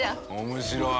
面白い。